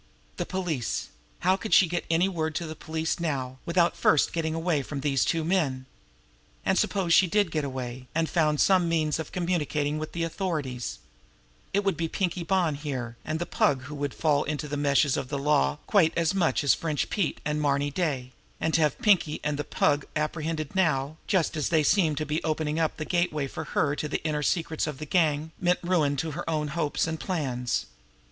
The police! How could she get any word to the police now, without first getting away from these two men here? And suppose she did get away, and found some means of communicating with the authorities, it would be Pinkie Bonn here, and the Pug, who would fall into the meshes of the law quite as much as would French Pete and Marny Day; and to have Pinkie and the Pug apprehended now, just as they seemed to be opening the gateway for her into the inner secrets of the gang, meant ruin to her own hopes and plans.